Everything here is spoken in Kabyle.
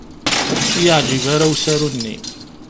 Ur y-iεǧib ara usaru-nni